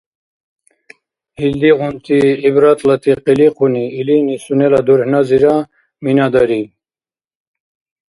Илдигъунти гӀибратлати къиликъуни илини сунела дурхӀназира минадариб.